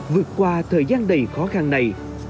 vượt qua thời gian đầy khó khăn này